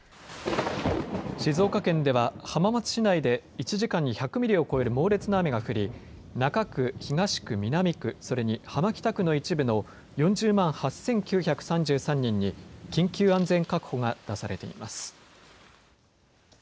静岡県では浜松市内で１時間に１００ミリを超える猛烈な雨が降り、中区、東区、南区、それに浜北区の一部の４０万８９３３人に緊急安全確保が出されています。